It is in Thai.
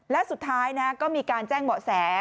และสุดท้ายก็มีการแจ้งเบาะแส